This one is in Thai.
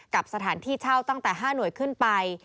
กับสถานที่เช่าตั้งแต่๕หน่วยขึ้นไป